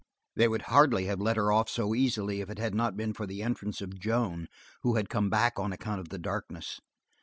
They would hardly have let her off so easily if it had not been for the entrance of Joan who had come back on account of the darkness.